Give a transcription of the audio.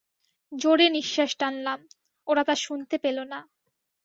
জোরে নিশ্বাস টানলাম, ওরা তা শুনতে পেল না।